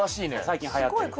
最近はやってる。